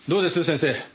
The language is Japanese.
先生。